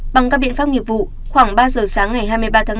bằng các biện pháp nghiệp vụ khoảng ba giờ sáng ngày hai mươi ba tháng bốn